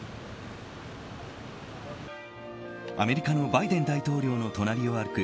アメリカのバイデン大統領の隣を歩く